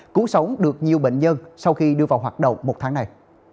cứu sống được nhiều bệnh nhân sau khi đưa vào hoạt động một tháng này